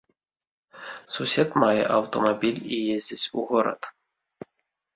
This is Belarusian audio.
Сусед мае аўтамабіль і ездзіць у горад.